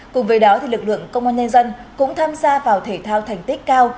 cùng với đó lực lượng công an nhân dân cũng tham gia vào thể thao thành tích cao